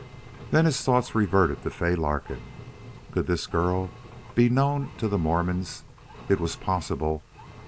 Then his thoughts reverted to Fay Larkin. Could this girl be known to the Mormons? It was possible.